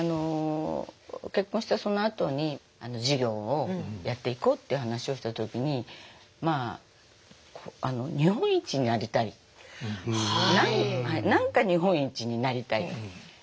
結婚したそのあとに事業をやっていこうっていう話をした時に日本一になりたい何か日本一になりたい。